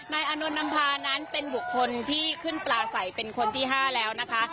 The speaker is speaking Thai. อานนท์นำพานั้นเป็นบุคคลที่ขึ้นปลาใสเป็นคนที่๕แล้วนะคะ